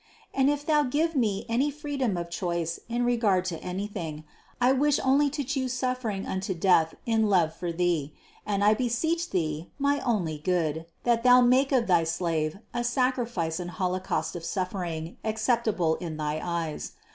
And if Thou give me any freedom of choice in regard to anything, I wish only to chose suffering unto death in love for Thee; and I be seech Thee, my only Good, that Thou make of thy slave a sacrifice and holocaust of suffering acceptable in thy eyes.